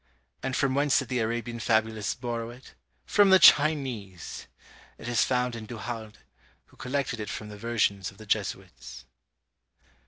And from whence did the Arabian fabulists borrow it? From the Chinese! It is found in Du Halde, who collected it from the Versions of the Jesuits.